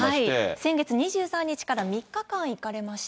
先月２３日から３日間、行かれました。